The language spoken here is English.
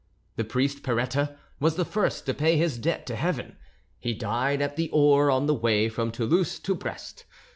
The priest Perette was the first to pay his debt to Heaven: he died at the oar on the way from Toulouse to Brest.